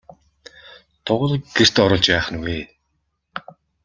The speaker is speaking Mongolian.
Тугал гэрт оруулж яах нь вэ?